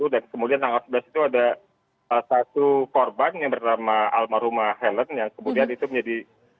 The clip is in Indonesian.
dan kemudian tanggal sebelas itu ada satu korban yang bernama alma rumah helen yang kemudian itu menjadi satu ratus tiga puluh satu